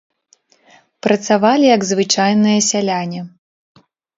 Працавалі як звычайныя сяляне.